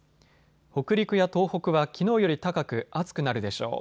北陸や東北はきのうより高く暑くなるでしょう。